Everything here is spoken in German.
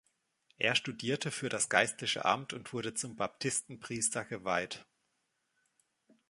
Er studierte für das geistliche Amt und wurde zum Baptisten-Priester geweiht.